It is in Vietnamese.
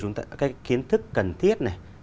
cái kiến thức cần thiết này